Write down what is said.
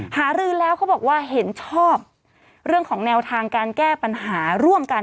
หารือแล้วเขาบอกว่าเห็นชอบเรื่องของแนวทางการแก้ปัญหาร่วมกัน